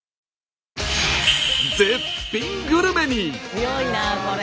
強いなこれ！